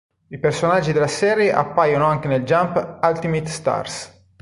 I personaggi della serie appaiono anche nel "Jump Ultimate Stars".